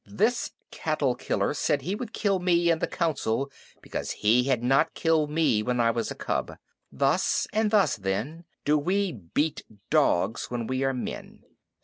"This cattle killer said he would kill me in the Council because he had not killed me when I was a cub. Thus and thus, then, do we beat dogs when we are men.